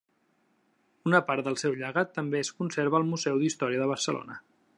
Una part del seu llegat també es conserva al Museu d'Història de Barcelona.